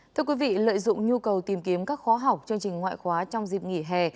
thưa quý vị lợi dụng nhu cầu tìm kiếm các khóa học chương trình ngoại khóa trong dịp nghỉ hè